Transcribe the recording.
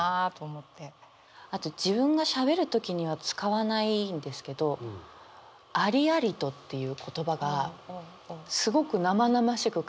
あと自分がしゃべる時には使わないんですけど「ありありと」っていう言葉がすごく生々しく感じて。